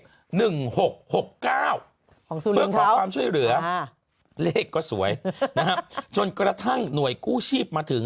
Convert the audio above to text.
เพื่อขอความช่วยเหลือเลขก็สวยนะครับจนกระทั่งหน่วยกู้ชีพมาถึง